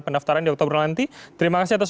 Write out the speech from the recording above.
pendaftaran di oktober nanti terima kasih atas